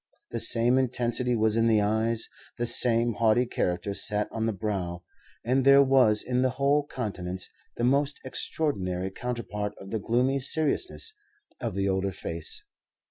The same intensity was in the eyes, the same haughty character sat on the brow; and there was in the whole countenance the most extraordinary counterpart of the gloomy seriousness of the older face.